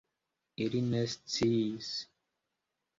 Ili ne sciis.